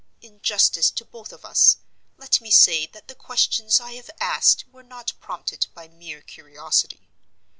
In justice to both of us, let me say that the questions I have asked were not prompted by mere curiosity.